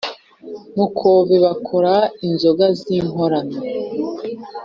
Mukove bakora inzoga zinkorano